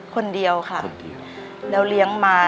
คนเดียวค่ะ